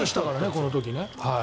この時ね。